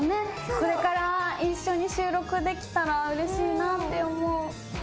これから一緒に収録できたらうれしいなって思う。